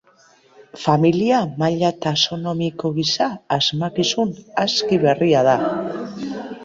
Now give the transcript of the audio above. Familia, maila taxonomiko gisa, asmakizun aski berria da.